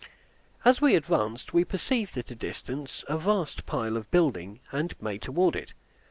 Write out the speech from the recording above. As we advanced, we perceived at a distance a vast pile of building, and made toward it.